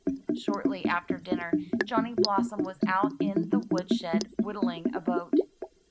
Shortly after dinner Johnny Blossom was out in the wood shed whittling a boat.